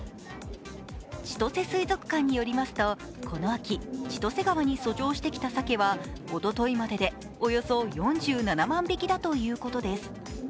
千歳水族館によりますとこの秋千歳川に遡上してきたさけはおとといまででおよそ４７万匹だということです。